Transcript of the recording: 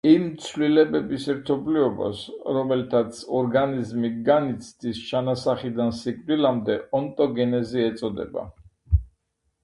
იმ ცვლილებების ერთობლიობას, რომელთაც ორგანიზმი განიცდის ჩასახვიდან სიკვდილამდე, ონტოგენეზი ეწოდება.